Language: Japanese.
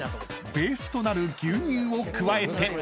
［ベースとなる牛乳を加えて］